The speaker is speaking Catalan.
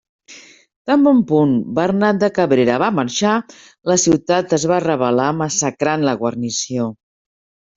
Tan bon punt Bernat de Cabrera va marxar, la ciutat es rebel·là massacrant la guarnició.